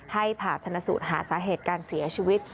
ผ่าชนะสูตรหาสาเหตุการเสียชีวิต